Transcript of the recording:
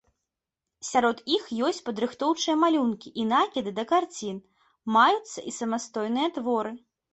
Сярод іх ёсць падрыхтоўчыя малюнкі і накіды да карцін, маюцца і самастойныя творы.